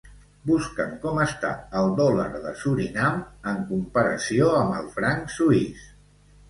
Busca'm com està el dòlar de Surinam en comparació amb el franc suís.